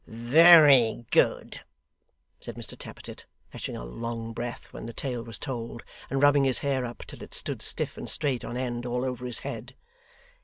'Very good,' said Mr Tappertit, fetching a long breath when the tale was told, and rubbing his hair up till it stood stiff and straight on end all over his head.